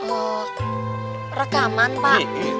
oh rekaman pak